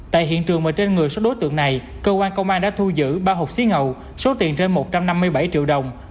tại hiện trường mà trên người số đối tượng này cơ quan công an đã thu giữ ba hộp xí ngầu số tiền trên một trăm năm mươi bảy triệu đồng